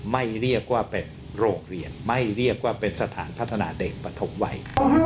ไม่เรียกว่าเป็นโรงเรียนไม่เรียกว่าเป็นสถานพัฒนาเด็กประถมวัย